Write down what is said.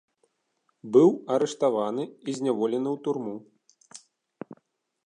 Быў арыштаваны і зняволены ў турму.